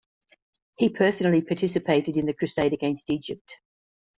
He personally participated in the crusade against Egypt.